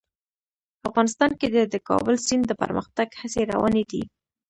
افغانستان کې د د کابل سیند د پرمختګ هڅې روانې دي.